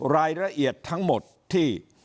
รายละเอียดทั้งหมดที่